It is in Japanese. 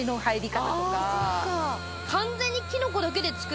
完全に。